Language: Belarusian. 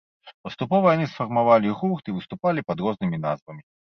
Паступова яны сфармавалі гурт і выступалі пад рознымі назвамі.